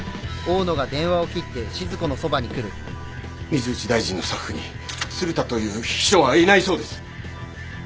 水内大臣のスタッフに鶴田という秘書はいないそうです。